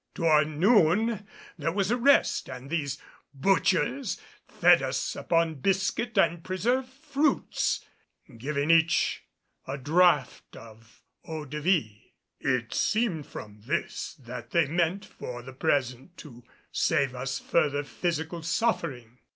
Toward noon there was a rest and these butchers fed us upon biscuit and preserved fruits, giving each a draught of eau de vie. It seemed from this that they meant for the present to save us further physical suffering.